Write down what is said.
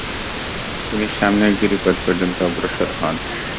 তিনি সামনের গিরিপথ পর্যন্ত অগ্রসর হন।